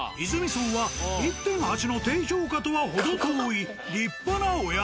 荘は１．８の低評価とは程遠い立派なお宿。